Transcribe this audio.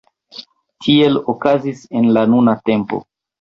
Tiel okazis en la nuna tempo.